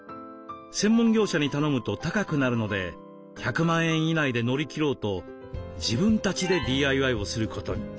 専門業者に頼むと高くなるので１００万円以内で乗り切ろうと自分たちでＤＩＹをすることに。